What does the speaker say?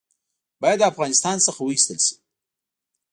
باید له افغانستان څخه وایستل شي.